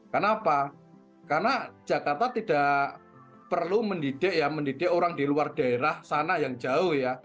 kan apa karena jakarta tidak perlu mengecek yang mendidik orang di luar daerah sana yang jauh ya